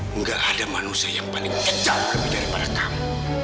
tidak ada manusia yang paling kejam lebih daripada kamu